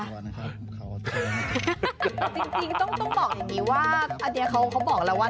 จริงต้องบอกอย่างนี้ว่าอันนี้เขาบอกแล้วว่า